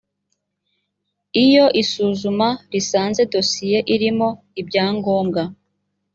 iyo isuzuma risanze dosiye irimo ibyangombwa